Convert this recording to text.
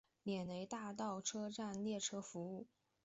涅雷大道车站列车服务。